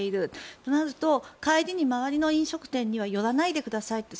となると帰りに周りの飲食店には寄らないでください